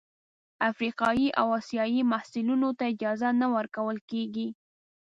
افریقايي او اسیايي محصلینو ته اجازه نه ورکول کیږي.